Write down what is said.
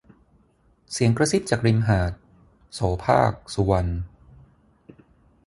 เสียงกระซิบจากริมหาด - โสภาค สุวรรณ